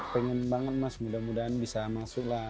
pengen banget mas mudah mudahan bisa masuk lah